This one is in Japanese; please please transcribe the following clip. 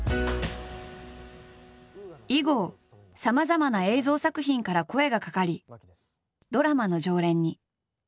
以後さまざまな映像作品から声がかかりドラマの常連に。